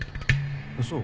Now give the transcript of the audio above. そう？